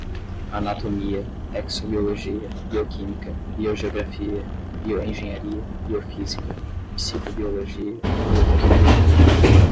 anatomia, exobiologia, bioquímica, biogeografia, bioengenharia, biofísica, psicobiologia, biotecnologia